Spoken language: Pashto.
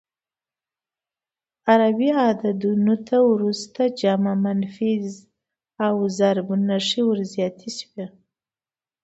عربي عددونو ته وروسته جمع، منفي او ضرب نښې ور زیاتې شوې.